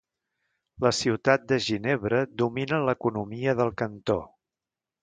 La ciutat de Ginebra domina l'economia del cantó.